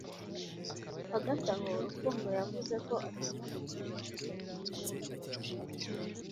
Hagati aho, Rukundo yavuze ko atinya gukina Walton mu minota myinshi